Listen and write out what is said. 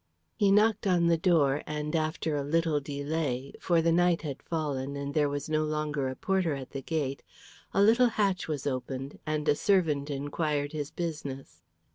He knocked on the door, and after a little delay for the night had fallen, and there was no longer a porter at the gate a little hatch was opened, and a servant inquired his business.